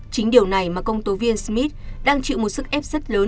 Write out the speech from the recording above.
chính điều này mà công tố viên smith đang chịu một sức ép rất lớn